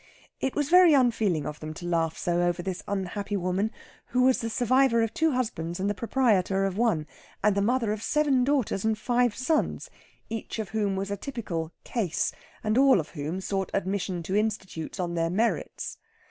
It was very unfeeling of them to laugh so over this unhappy woman, who was the survivor of two husbands and the proprietor of one, and the mother of seven daughters and five sons, each of whom was a typical "case," and all of whom sought admission to Institutes on their merits.